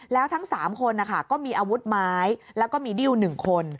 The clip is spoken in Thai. แล้วทั้ง๓คนก็มีอาวุธไม้แล้วก็มีดิ้ว๑คน